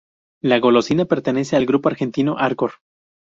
La golosina pertenece al grupo argentino Arcor.